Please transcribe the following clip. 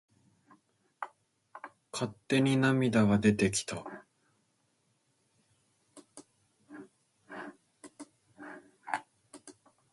勝手に涙が出てきた。